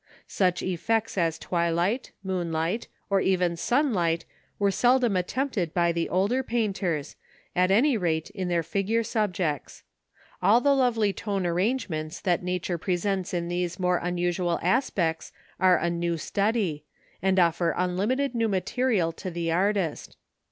Such effects as twilight, moonlight, or even sunlight were seldom attempted by the older painters, at any rate in their figure subjects. All the lovely tone arrangements that nature presents in these more unusual aspects are a new study, and offer unlimited new material to the artist.